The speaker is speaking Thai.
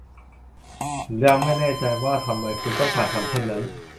ยังไม่แน่ใจว่าทำไมคุณต้องการทำเช่นนั้น